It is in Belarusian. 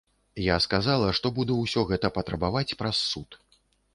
Я сказала, што буду ўсё гэта патрабаваць праз суд.